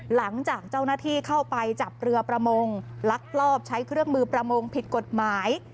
หลังจากเจ้าหน้าที่เข้าไปจับเรือประมงลักลอบใช้เครื่องมือประมงผิดกฎหมาย